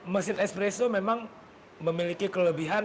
mesin espresso memang memiliki kelebihan